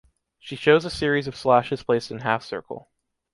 She shows a series of slashes placed in half-circle.